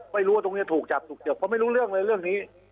ไม่รู้ว่าตรงนี้ถูกจับถูกจับเพราะไม่รู้เรื่องเลยเรื่องนี้